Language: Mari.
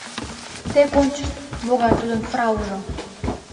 Тек ончышт, могай тудын фраужо!